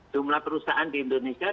jumlah perusahaan di indonesia